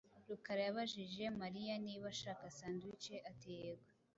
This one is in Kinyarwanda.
Rukara yabajije Mariya niba ashaka sandwich ati yego.